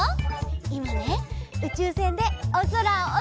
いまねうちゅうせんでおそらをおさんぽしているんだ。